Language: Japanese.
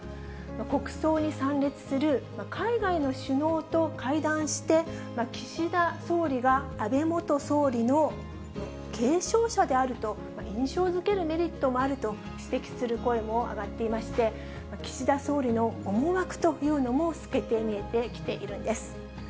国葬に参列する海外の首脳と会談して、岸田総理が安倍元総理の継承者であると印象づけるメリットもあると指摘する声も上がっていまして、岸田総理の思惑というのも透けて見えてきているんです。